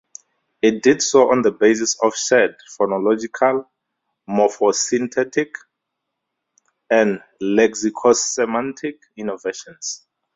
It did so on the basis of shared phonological, morphosyntactic and lexicosemantic innovations.